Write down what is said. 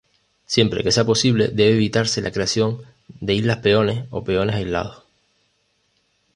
Siempre que sea posible debe evitarse la creación de islas peones o peones aislados.